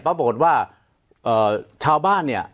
ปรากฏว่าชาวบ้านเนี่ย